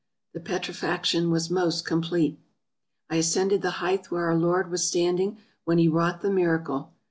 The petrifaction was most complete. I ascended the height where our Lord was standing when He wrought the miracle.